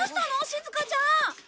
しずかちゃん。